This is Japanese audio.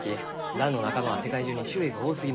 ランの仲間は世界中に種類が多すぎます。